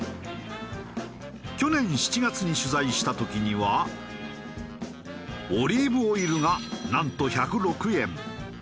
去年７月に取材した時にはオリーブオイルがなんと１０６円。